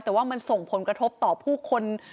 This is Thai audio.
แต่ว่ามันส่งผลกระทบต่อผู้คน